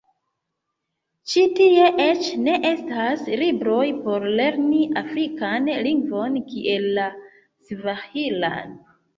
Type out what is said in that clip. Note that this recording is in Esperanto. Ĉi tie eĉ ne estas libroj por lerni afrikan lingvon kiel la Svahilan.